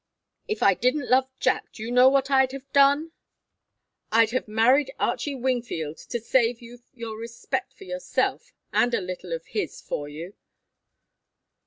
If I didn't love Jack, do you know what I'd have done? I'd have married Archie Wingfield to save you your respect for yourself, and a little of his for you!"